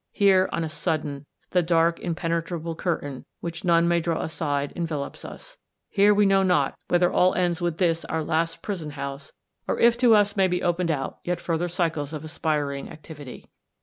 Here, on a sudden, the dark impenetrable curtain, which none may draw aside, envel opes us ; here we know not whether all ends with this our last prison house, or if to us may be opened out yet further cycles of aspiring activity."